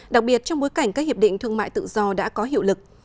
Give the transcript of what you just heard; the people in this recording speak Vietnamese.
đặc biệt trong bối cảnh các hiệp định thương mại tự do đã có hiệu lực